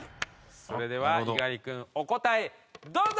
それでは猪狩君お答えどうぞ！